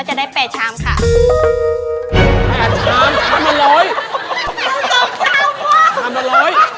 ชามวัน๑๐๐